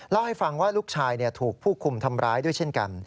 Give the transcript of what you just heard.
เล่าให้ฟังว่าลูกชายถูกผู้คุมทำร้ายด้วยเช่นกัน